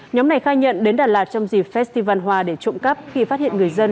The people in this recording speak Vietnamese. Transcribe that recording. nhóm này khai nhận đến đà lạt trong dịp festival hoa để trộm cắp khi phát hiện người dân